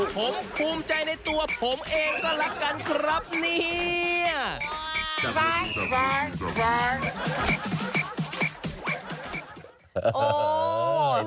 ผมภูมิใจในตัวผมเองก็ละกันครับเนี่ย